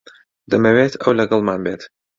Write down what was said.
دەمەوێت ئەو لەگەڵمان بێت.